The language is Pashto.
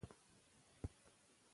غرور نه ماتېږي.